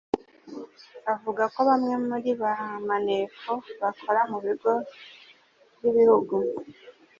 Avuga ko bamwe muri ba maneko bakora mu bigo by'igihugu